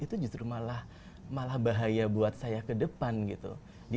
itu justru malah bahaya buat saya ke depan gitu